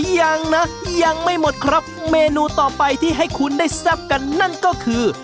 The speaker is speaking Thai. ยังนะยังไม่หมดครับเมนูต่อไปที่ให้คุณได้แซ่บกันนั่นก็คือ